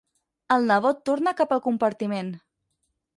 El nebot torna cap al compartiment.